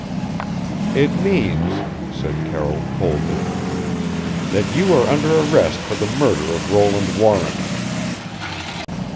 "It means," said Carroll coldly, "that you are under arrest for the murder of Roland Warren!"